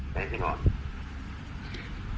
จะดูทำไมที่นอน